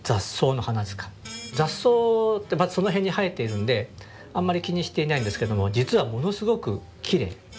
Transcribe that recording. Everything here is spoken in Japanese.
雑草ってその辺に生えているんであんまり気にしていないんですけども実はものすごくきれい。